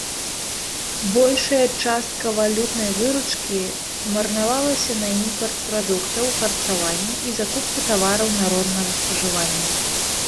Большая частка валютнай выручкі марнавалася на імпарт прадуктаў харчавання і закупку тавараў народнага спажывання.